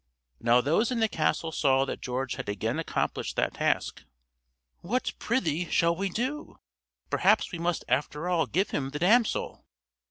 Now those in the castle saw that George had again accomplished that task. "What, prithee, shall we do? Perhaps we must after all give him the damsel!"